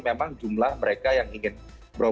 memang jumlah mereka yang ingin melakukan penyelesaian